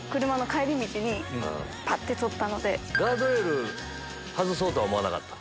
ガードレール外そうとは思わなかった？